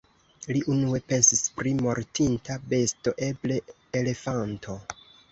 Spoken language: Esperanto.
Li unue pensis pri mortinta besto, eble elefanto.